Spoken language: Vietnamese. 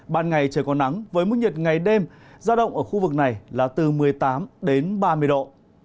ban ngày trời có nắng với mức nhiệt ngày đêm giao động ở khu vực này là từ một mươi tám đến ba mươi độ